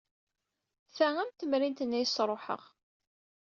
Ta am temrint-nni ay sṛuḥeɣ.